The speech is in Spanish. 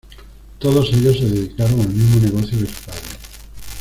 Todos ellos se dedicaron al mismo negocio que su padre.